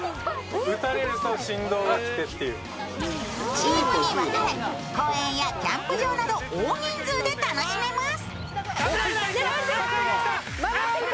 チームに分かれ、公園やキャンプ場など大人数で楽しめます。